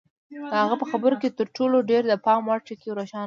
د هغه په خبرو کې تر ټولو ډېر د پام وړ ټکی روښانه و.